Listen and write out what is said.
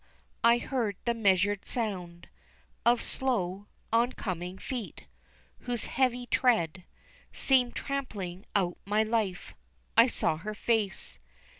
I heard the measured sound Of slow, oncoming feet, whose heavy tread Seemed trampling out my life. I saw her face.